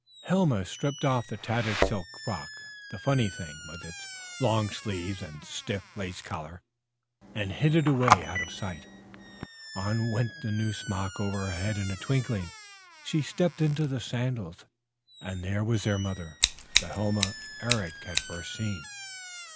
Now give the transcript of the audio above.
Helma stripped off the tattered silk frock, the funny thing with its long sleeves and stiff lace collar, and hid it away out of sight. On went the new smock over her head in a twinkling. She stepped into the sandals. And there was their mother, the Helma Eric had first seen.